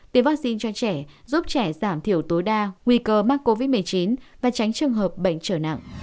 tiêm vaccine cho trẻ giúp trẻ giảm thiểu tối đa nguy cơ mắc covid một mươi chín và tránh trường hợp bệnh trở nặng